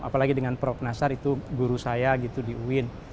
apalagi dengan prof nasar itu guru saya gitu di uin